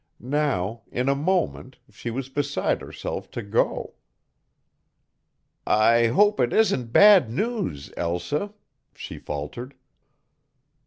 Now, in a moment, she was beside herself to go. "I hope it isn't bad news, Elsa," she faltered.